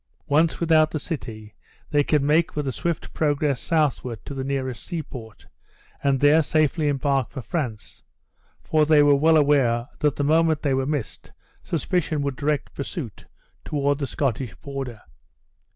Once without the city, they could make a swift progress southward to the nearest seaport, and there safely embark for France; for they were well aware that the moment they were missed suspicion would direct pursuit toward the Scottish border.